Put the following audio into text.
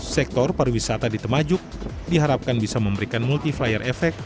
sektor pariwisata di temajuk diharapkan bisa memberikan multi flyer efek